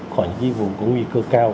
khỏi những vùng có nguy cơ cao